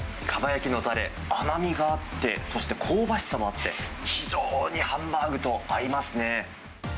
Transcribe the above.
かば焼きのたれ、甘みがあって、そして香ばしさもあって、非常にハンバーグと合いますね。